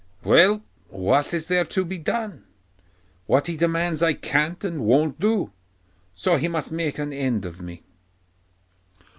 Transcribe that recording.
'Well, what is there to be done? What he demands I can't and won't do, so he must just make an end of me.